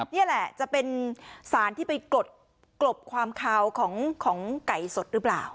นี่แหละจะเป็นสารที่ไปกรดความคาวของไก่สดหรือเปล่า